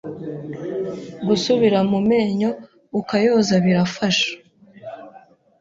gusubira mu menyo ukayoza birayafasha